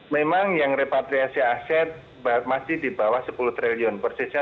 memang yang repatriasi aset masih di bawah sepuluh triliun persisnya